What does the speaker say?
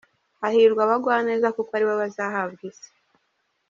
Hahirwa abagwa neza, Kuko ari bo bazahabwa isi